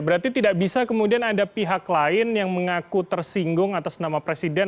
berarti tidak bisa kemudian ada pihak lain yang mengaku tersinggung atas nama presiden